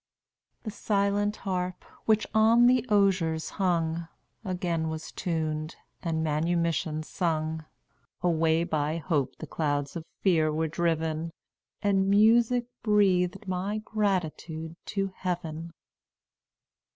"The silent harp, which on the osiers hung, Again was tuned, and manumission sung; Away by hope the clouds of fear were driven, And music breathed my gratitude to Heaven."